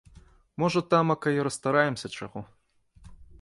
Можа тамака й расстараемся чаго.